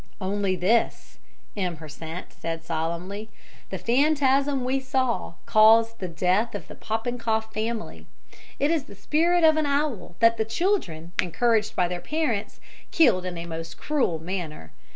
"Only this," M. Hersant said solemnly, "the phantasm we saw caused the death of the Popenkoff family. It is the spirit of an owl that the children, encouraged by their parents, killed in a most cruel manner.